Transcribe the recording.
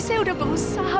saya udah berusaha